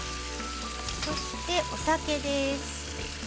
そしてお酒です。